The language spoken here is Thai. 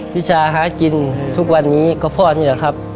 วิชาหากินทุกวันนี้ก็พ่อนี่แหละครับ